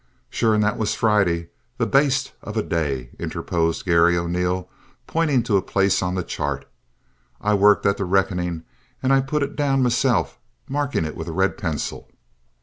"Sure, an' that was Friday, that baste of a day!" interposed Garry O'Neil, pointing to a place on the chart. "I worked at the rickonin' and I put it down meself, marking it with a red pencil."